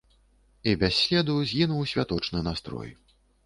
І без следу згінуў святочны настрой.